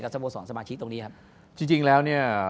กับสโบสรสมาชิกตรงนี้ครับ